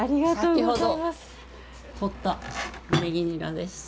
先ほどとったねぎにらです。